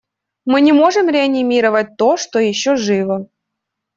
Мы не можем реанимировать то, что еще живо.